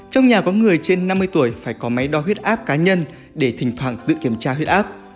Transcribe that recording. trong nhà có người trên năm mươi tuổi phải có máy đo huyết áp cá nhân để thỉnh thoảng tự kiểm tra huyết áp